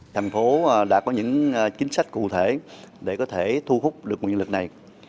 thành phố đã có những chính sách cụ thể để có thể thu hút được nguồn lực này